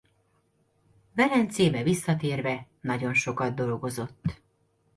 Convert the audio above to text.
Velencébe visszatérve nagyon sokat dolgozott.